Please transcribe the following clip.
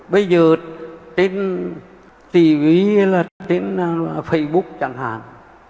bây giờ tên tivi hay là tên facebook chẳng hạn